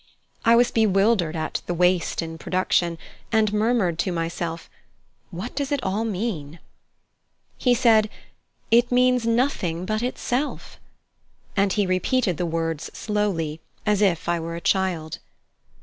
I was bewildered at the waste in production, and murmured to myself, "What does it all mean?" He said: "It means nothing but itself" and he repeated the words slowly, as if I were a child.